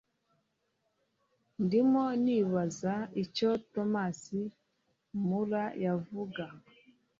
ndimo nibaza icyo thomas moore yavuga